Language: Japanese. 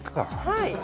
はい。